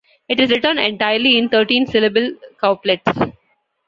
It is written entirely in thirteen-syllable couplets.